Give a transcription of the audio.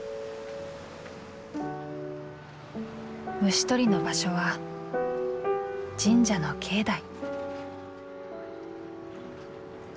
虫捕りの場所は「神社の境内」。